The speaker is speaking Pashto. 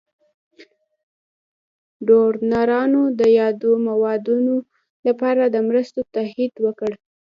ډونرانو د یادو مواردو لپاره د مرستو تعهد وکړ.